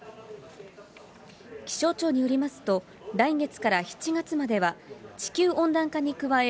気象庁によりますと、来月から７月までは地球温暖化に加え、